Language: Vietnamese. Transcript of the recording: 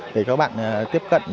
để các bạn tiếp cận